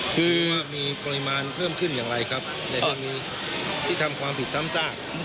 คือว่ามีปริโยชน์โรยมาลเพิ่มขึ้นอย่างไรครับในเรื่องนี้ที่ทำความผิดซ้ำซาก